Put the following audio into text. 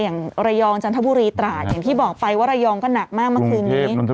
อย่างระยองจันทบุรีตราดอย่างที่บอกไปว่าระยองก็หนักมากเมื่อคืนนี้